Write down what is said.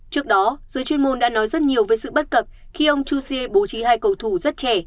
trước đó giới chuyên môn đã nói rất nhiều với sự bất cập khi ông jose bố trí hai cầu thủ rất trẻ